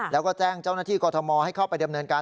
แล้วก็แจ้งเจ้าหน้าที่กรทมให้เข้าไปดำเนินการ